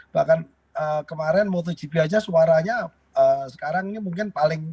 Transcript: bahkan kemarin motogp saja suaranya sekarang ini memiliki suara yang lebih besar